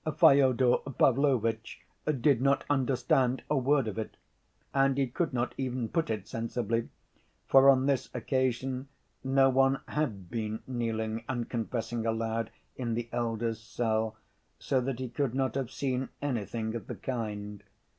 Fyodor Pavlovitch did not understand a word of it, and he could not even put it sensibly, for on this occasion no one had been kneeling and confessing aloud in the elder's cell, so that he could not have seen anything of the kind.